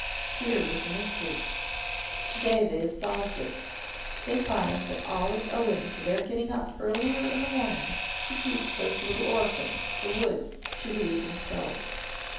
Here was a mystery. To day they have solved it. They find that all is owing to their getting up earlier in the morning to teach those little orphans, the Woods, to read and sew."